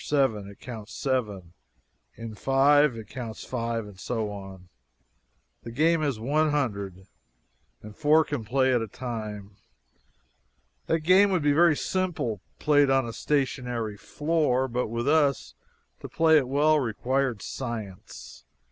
7, it counts 7; in 5, it counts 5, and so on. The game is 100, and four can play at a time. That game would be very simple played on a stationary floor, but with us, to play it well required science.